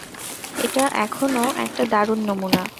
এটা এখনো একটা দারুণ নমুনা।